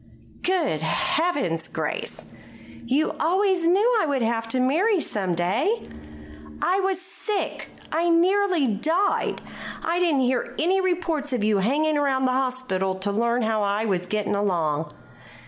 "Good Heavens, Grace! You always knew I would have to marry some day." "I was sick; I nearly died. I didn't hear any reports of you hanging around the hospital to learn how I was getting along."